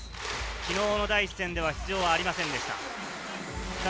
昨日の第１戦では出場はありませんでした。